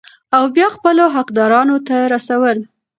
او بيا خپلو حقدارانو ته رسول ،